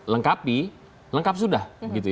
lengkapi lengkap sudah